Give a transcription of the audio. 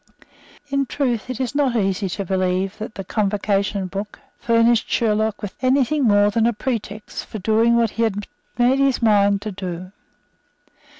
In truth, it is not easy to believe that the Convocation Book furnished Sherlock with any thing more than a pretext for doing what he had made up his mind to do.